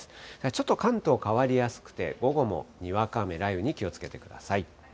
ちょっと関東、変わりやすくて、午後もにわか雨、雷雨に気をつけてください。